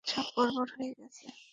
সব গড়বড় হয়ে গেছে।